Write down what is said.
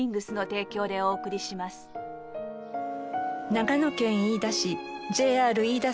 長野県飯田市ＪＲ飯田